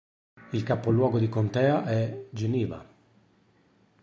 Il capoluogo di contea è Geneva.